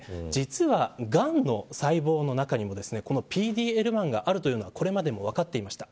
実は、がんの細胞の中にもこのＰＤ‐Ｌ１があるというのはこれまでも分かっていました。